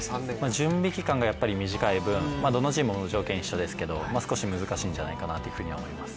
準備期間が短い分、どのチームも条件一緒ですけど、少し難しいんじゃないかなっていうふうには思います。